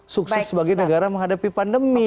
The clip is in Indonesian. sukses sebagai negara menghadapi pandemi